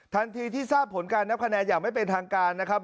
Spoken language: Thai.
ทันทีที่ทราบผลการนับคะแนนอย่างไม่เป็นทางการนะครับ